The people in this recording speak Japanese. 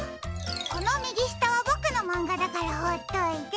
このみぎしたはボクのまんがだからほっといて。